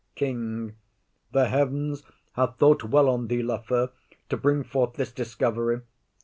KING. The heavens have thought well on thee, Lafew, To bring forth this discovery.